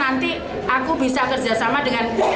nanti aku bisa kerjasama dengan